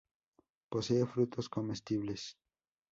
Posee frutos comestibles.